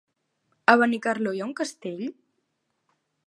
A Benicarló hi ha un castell?